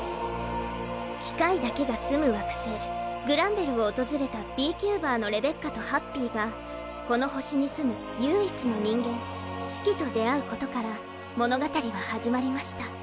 機械だけが住む惑星グランベルを訪れた「Ｂ・キューバー」のレベッカとハッピーがこの星に住む唯一の人間シキと出会うことから物語は始まりました。